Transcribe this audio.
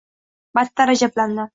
Battar ajablandim.